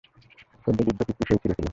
সদ্য বিদ্ধ তীরটি সেই ছুঁড়েছিল।